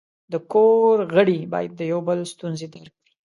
د کور غړي باید د یو بل ستونزې درک کړي.